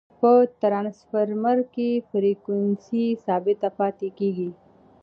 په ټرانسفرمر کی فریکوینسي ثابته پاتي کیږي.